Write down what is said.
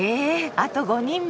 あと５人も！？